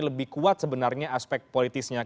lebih kuat sebenarnya aspek politisnya